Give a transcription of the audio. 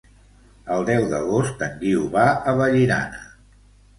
El deu d'agost en Guiu va a Vallirana.